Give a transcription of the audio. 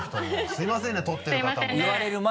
すみませんね撮ってる方も。